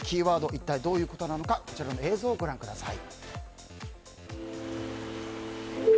一体どういうことなのかこちらの映像をご覧ください。